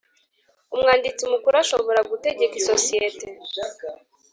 Umwanditsi Mukuru ashobora gutegeka isosiyete